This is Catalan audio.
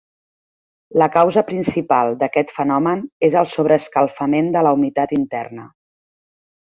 La causa principal d'aquest fenomen és el sobreescalfament de la humitat interna.